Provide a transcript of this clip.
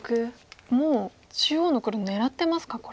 もう中央の黒狙ってますかこれ。